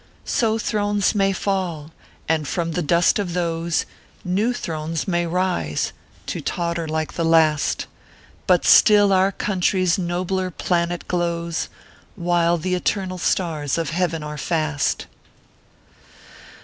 So thrones may full ; and from tho dust of those, New thrones may rise, to totter like the last ; But still our country s nobler planet glows Whilo tho eternal stars of Heaven are fast.